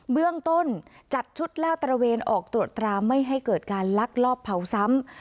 เบื้องต้นจัดชุดลาดตระเวนออกตรวจตราไม่ให้เกิดการลักลอบเผาซ้ำ